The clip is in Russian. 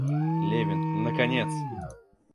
Левин, наконец!